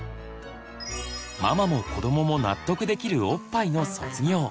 ママも子どもも納得できるおっぱいの卒業。